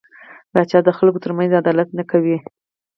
پاچا د خلکو ترمنځ عدالت نه کوي .